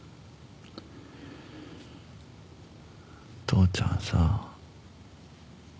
父ちゃんさ。